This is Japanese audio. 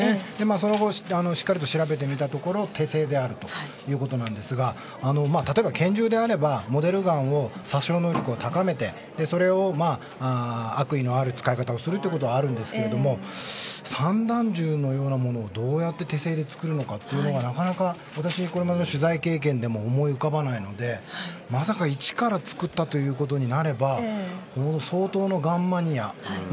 その後しっかりと調べてみたころ手製であるということなんですが例えば拳銃であればモデルガンを殺傷能力を高めてそれを悪意のある使い方をするっていうことはあるんですけれども散弾銃のようなものをどうやって手製で作るのかというのはなかなか私これまでの取材経験でも思い浮かばないのでまさか一から作ったということになれば相当なガンマニア。